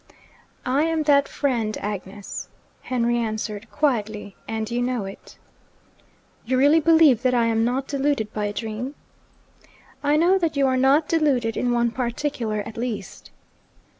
'I am that friend, Agnes,' Henry answered quietly, 'and you know it.' 'You really believe that I am not deluded by a dream?' I know that you are not deluded in one particular, at least.'